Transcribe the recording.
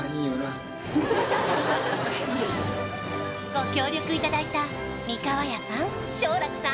ご協力いただいた三河屋さん勝楽さん